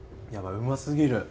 うますぎる。